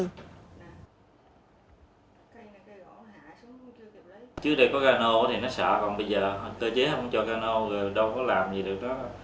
trước đây có gano thì nó sợ còn bây giờ cơ chế không cho gano rồi đâu có làm gì được đó